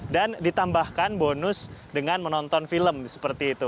dan ditambahkan bonus dengan menonton film seperti itu